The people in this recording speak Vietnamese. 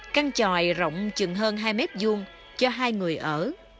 căn tròi rộng chừng hơn hai mét vuông cho hai người ở